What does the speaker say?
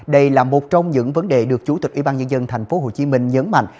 đây là một trong những vấn đề được chủ tịch ủy ban nhân dân tp hcm nhấn mạnh